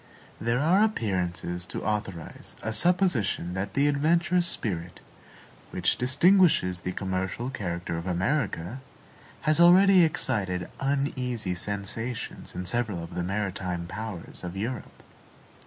There are appearances to authorize a supposition that the adventurous spirit, which distinguishes the commercial character of America, has already excited uneasy sensations in several of the maritime powers of Europe.